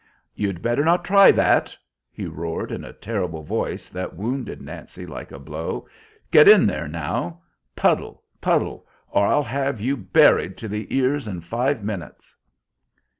"You'd better not try that," he roared in a terrible voice that wounded Nancy like a blow. "Get in there, now! Puddle, puddle, or I'll have you buried to the ears in five minutes!"